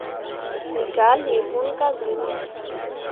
Me gah lii hunni ka zuni.